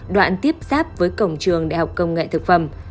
đoạn tiếp giáp với cổng trường đại học công nghệ thực phẩm